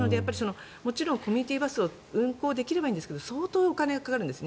もちろんコミュニティーバスを運行できればいいんですが相当お金がかかるんです。